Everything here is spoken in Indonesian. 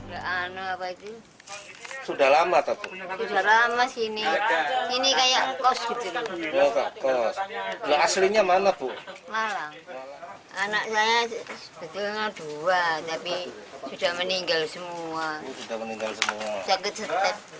ia berkata anak saya sebetulnya dua tapi sudah meninggal semua